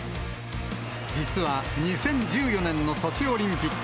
実は、２０１４年のソチオリンピック。